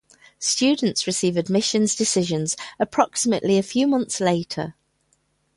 Students receive admissions decisions approximately a few months later.